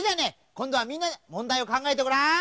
こんどはみんなでもんだいをかんがえてごらん！